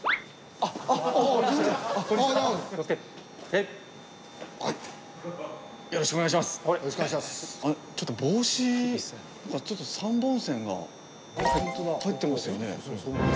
あれちょっと帽子３本線が入ってますよね？